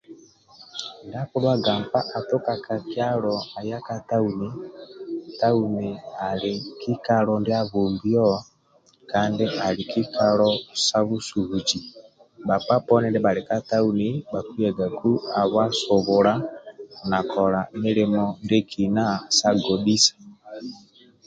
Ndia akidhuwaga nkpa atuka ka kyalo aya ka tauni, tauni ali kikalo ndia abombio kandi ali kikalo sa busubuzi bhakpa poni ndibhali ka tauni bhakiyagaku habwa subula na kola milimo ndiekina sa godhisa